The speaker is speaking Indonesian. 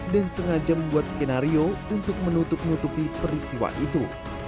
dan sengaja membuat skenario untuk menutup nutupi peristiwa itu